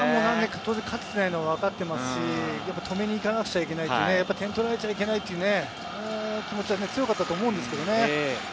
勝ててないのがわかってますし、止めに行かなくちゃいけない、点取られちゃいけないっていう気持ちは強かったと思うんですけどね。